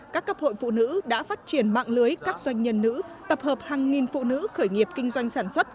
các cấp hội phụ nữ đã phát triển mạng lưới các doanh nhân nữ tập hợp hàng nghìn phụ nữ khởi nghiệp kinh doanh sản xuất